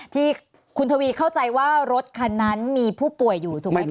ที่คุณทวีเข้าใจว่ารถคันนั้นมีผู้ป่วยอยู่ถูกไหมคะ